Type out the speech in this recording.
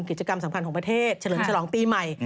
กิจกรรมสำคัญของประเทศเฉลิมฉลองปีใหม่